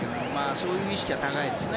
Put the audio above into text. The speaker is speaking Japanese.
そういう意識は高いですよね